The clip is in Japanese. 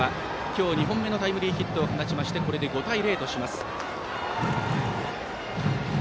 今日２本目のタイムリーヒットを放ちましてこれで５対０とします。